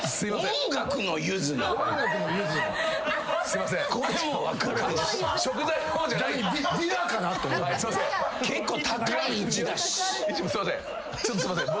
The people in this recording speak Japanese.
すいません。